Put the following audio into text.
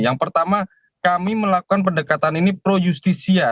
yang pertama kami melakukan pendekatan ini pro justisia